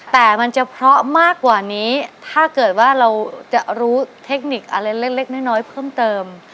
แต่มันจะเพราะมากกว่านี้ถ้าเกิดว่าเราจะรู้เทคนิคอะไรเล็กน้อยเพิ่มเติม